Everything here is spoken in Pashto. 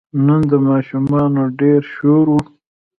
نن د ماشومانو ډېر شور و.